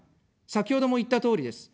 先ほども言ったとおりです。